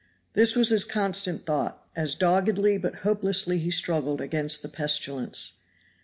This was his constant thought, as doggedly but hopelessly he struggled against the pestilence.